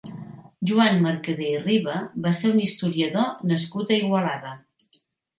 Joan Mercader i Riba va ser un historiador nascut a Igualada.